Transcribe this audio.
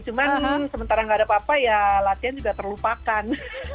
cuman sementara nggak ada apa apa ya latihan juga terlupakan